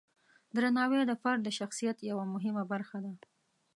درناوی د فرد د شخصیت یوه مهمه برخه ده.